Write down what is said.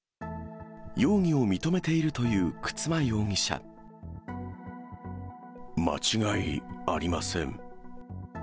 容疑を認めているという沓間間違いありません。